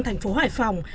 thành phố hải phòng